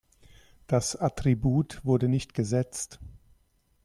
Das Attribut wurde nicht gesetzt.